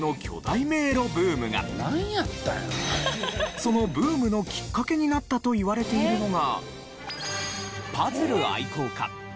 そのブームのきっかけになったといわれているのが。